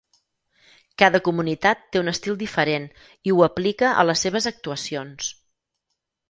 Cada comunitat té un estil diferent i ho aplica a les seves actuacions.